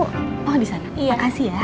oh disana makasih ya